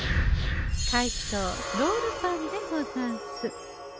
「怪盗ロールパン」でござんす。